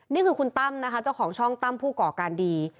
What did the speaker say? นี่คือคุณตั้มนะคะเจ้าของช่องตั้มผู้ก่อการดี